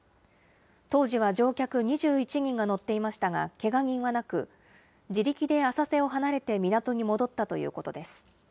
当時は乗客２１人が乗っていましたが、けが人はなく、自力で浅瀬を離れて港に戻ったということです。